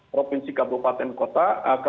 provinsi kabupaten kota